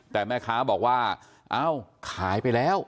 แต่แม่ค้าบอกว่าเอ้าขายไปแล้ว